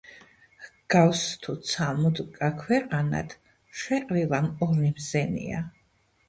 ჰგავს, თუ ცა მოდრკა ქვეყანად, შეყრილან ორნი მზენია.